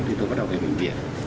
thì tôi bắt đầu về bệnh viện